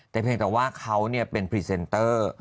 แต่เพียงแต่ว่าเขาเป็นพรีเซนเตอร์